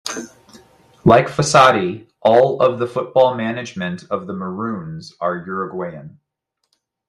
Like Fossati, all of the football management of 'The Maroons' are Uruguayan.